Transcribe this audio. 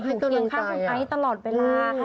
อยู่เคียงข้างของไอซ์ตลอดเวลา